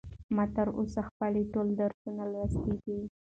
ما تر اوسه خپل ټول درسونه لوستي دي.